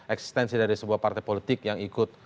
eksistensi dari sebuah partai politik yang ikut